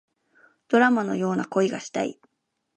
ドラマのような恋がしたい